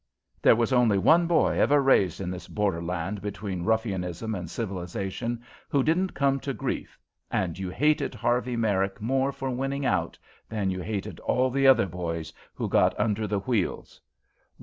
There was only one boy ever raised in this borderland between ruffianism and civilization who didn't come to grief, and you hated Harvey Merrick more for winning out than you hated all the other boys who got under the wheels.